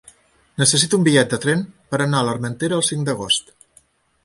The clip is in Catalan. Necessito un bitllet de tren per anar a l'Armentera el cinc d'agost.